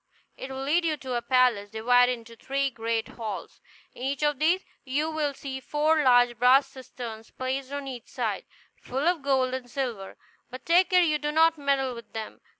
It will lead you into a palace, divided into three great halls. In each of these you will see four large brass cisterns placed on each side, full of gold and silver; but take care you do not meddle with them.